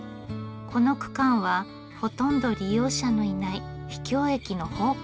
この区間はほとんど利用者のいない秘境駅の宝庫。